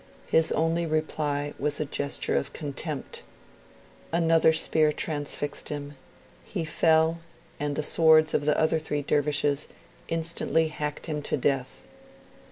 His only reply was a gesture of contempt. Another spear transfixed him; he fell, and the swords of the three other Dervishes instantly hacked him to death.